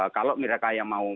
kalau mereka yang mau